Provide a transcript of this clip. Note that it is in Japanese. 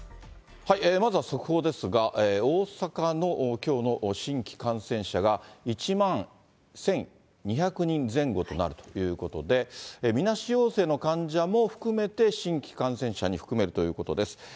まずは速報ですが、大阪のきょうの新規感染者が１万１２００人前後となるということで、みなし陽性の患者も含めて新規感染者に含めるということです。